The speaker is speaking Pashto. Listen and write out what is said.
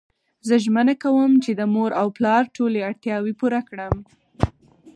زه ژمنه کوم چی د مور او پلار ټولی اړتیاوی پوره کړم